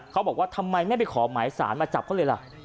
เขาบอกว่าทำไมไม่ไปขอหมายสารมาจับเขาเลยล่ะ